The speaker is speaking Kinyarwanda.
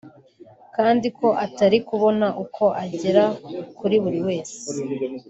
kandi ko atari kubona uko agera kuri buri wese